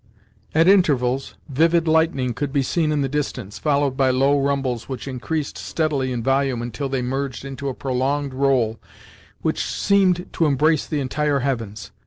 At intervals, vivid lightning could be seen in the distance, followed by low rumbles which increased steadily in volume until they merged into a prolonged roll which seemed to embrace the entire heavens.